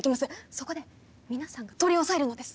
そこで皆さんが取り押さえるのです！